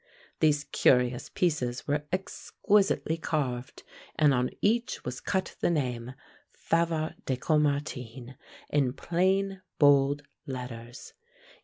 These curious pieces were exquisitely carved, and on each was cut the name Favart de Caumartin in plain, bold letters.